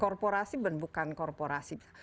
korporasi bukan korporasi